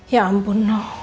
ya ampun no